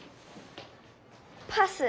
パス。